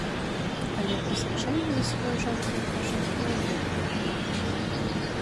Але пра сачэнне за сваёй жонкай, кажа, не ведаў.